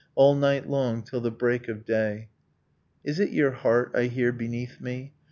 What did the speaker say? All night long till the break of day. Is it your heart I hear beneath me. .